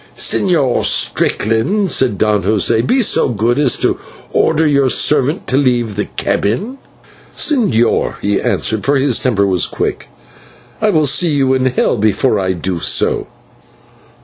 "Señor Strickland," said Don José, "be so good as to order your servant to leave the cabin." "Señor," he answered, for his temper was quick, "I will see you in hell before I do so."